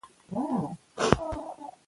د لیکوالو یادونه زموږ تاریخي وجیبه ده.